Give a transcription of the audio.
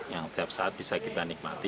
yang setiap saat bisa kita nilai